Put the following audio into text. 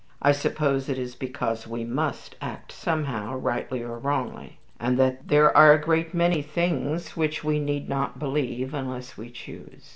I suppose it is because we MUST act somehow, rightly or wrongly; and there are a great many things which we need not believe unless we choose.